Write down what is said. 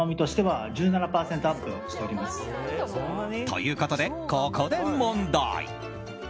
ということで、ここで問題。